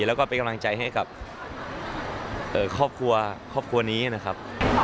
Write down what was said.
แล้วก็เป็นกำลังใจให้กับครอบครัวครอบครัวนี้นะครับ